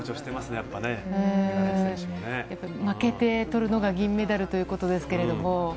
やっぱり負けてとるのが銀メダルということですけれども。